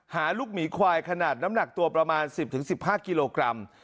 หาลูกหมีควายขนาดน้ำหนักตัวประมาณ๑๐๑๕กิโลกรัม